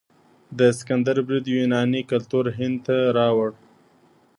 د سکندر برید یوناني کلتور هند ته راوړ.